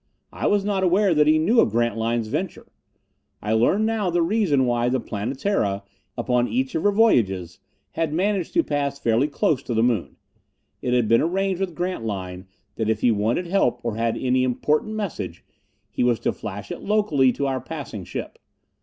I was not aware that he knew of Grantline's venture. I learned now the reason why the Planetara, upon each of her voyages, had managed to pass fairly close to the Moon. It had been arranged with Grantline that if he wanted help or had any important message, he was to flash it locally to our passing ship.